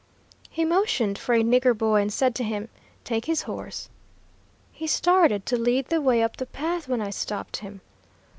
He motioned for a nigger boy and said to him, "Take his horse." He started to lead the way up the path, when I stopped him.